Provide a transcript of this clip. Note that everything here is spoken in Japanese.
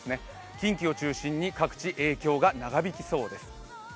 近畿を中心に各地、影響が長引きそうです。